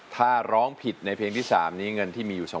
ถ้าร้องผิดในเพลงที่๓นี้เงินที่มีอยู่